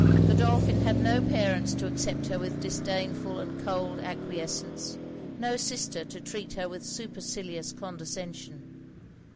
Godolphin had no parents to accept her with disdainful and cold acquiescence no sister to treat her with supercilious condescension.